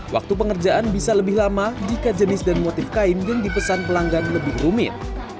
waktu pengerjaan bisa lebih lama jika jenis dan motif kain yang dipesan pelanggan lebih rumit